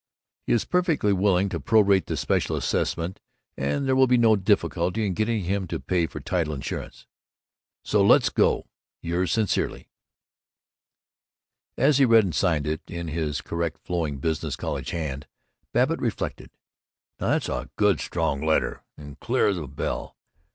He is perfectly willing to pro rate the special assessment and there will be no difficulty in getting him to pay for title insurance. So let's go! Yours sincerely, As he read and signed it, in his correct flowing business college hand, Babbitt reflected, "Now that's a good, strong letter, and clear's a bell.